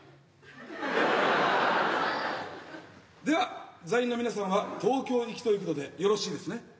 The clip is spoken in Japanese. では座員の皆さんは東京行きということでよろしいですね？